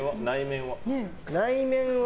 内面は？